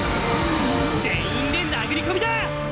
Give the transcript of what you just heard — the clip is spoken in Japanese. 全員で殴り込みだぁ！